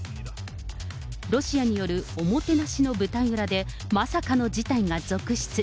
ロシアによるおもてなしの舞台裏で、まさかの事態が続出。